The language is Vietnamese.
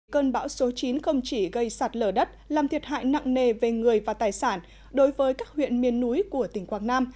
cơn bão số chín không chỉ gây sạt lở đất làm thiệt hại nặng nề về người và tài sản đối với các huyện miền núi của tỉnh quảng nam